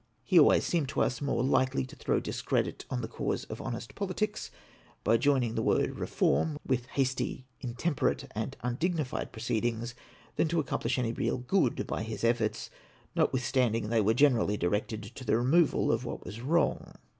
He always seemed to us more likely to throw discredit on the cause of honest politics, by joining the word reform with hasty, intemperate, and undignified proceedings, than to accomplish any real good by his efforts, notwithstanding they were generally directed to the removal of what Avas ■wrong.